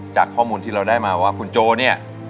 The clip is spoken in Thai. จากข้อมูลที่เราได้มาว่าคุณโจเนี่ย